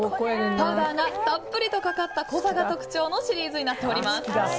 パウダーがたっぷりとかかった濃さが特徴のシリーズになっております。